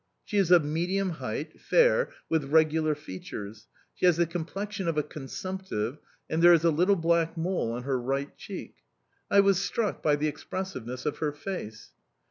She is of medium height, fair, with regular features; she has the complexion of a consumptive, and there is a little black mole on her right cheek. I was struck by the expressiveness of her face."